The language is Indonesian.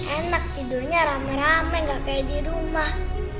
enak tidurnya rame rame gak kayak di rumah